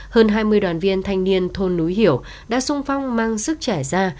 hơn hai mươi đoàn viên thanh niên thôn núi hiểu đã sung phong mang sức trải ra